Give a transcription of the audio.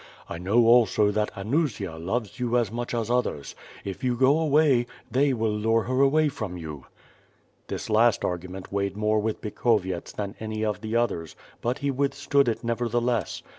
I know also that Anusia loves you as much as others — if you go away, they will lure her away from you." This last argument weighed more with Bikhovyets than any of the others, but he withstood it, nevertheless.